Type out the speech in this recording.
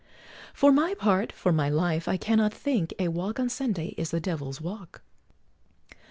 For my part, for my life, I cannot think A walk on Sunday is "the Devil's Walk."